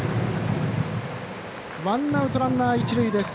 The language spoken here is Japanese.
ワンアウト、ランナー、一塁です。